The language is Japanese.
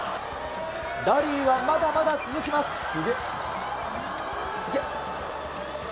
ラリーはまだまだ続きます。